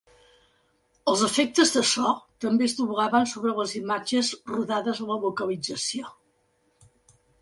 Els efectes de so també es doblaven sobre les imatges rodades a la localització.